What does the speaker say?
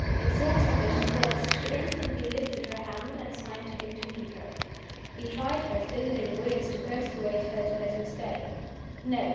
Exhausted as she was, she instantly lifted her hand and signed to him to leave her. He tried by soothing words to persuade her to let him stay. No!